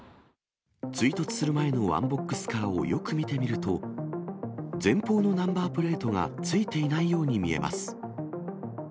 追突する前のワンボックスカーをよく見てみると、前方のナンバープレートがついていないように見えます。